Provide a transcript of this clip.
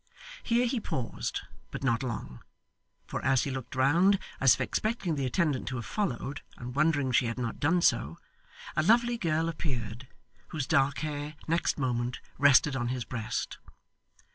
Here he paused, but not long; for as he looked round, as if expecting the attendant to have followed, and wondering she had not done so, a lovely girl appeared, whose dark hair next moment rested on his breast.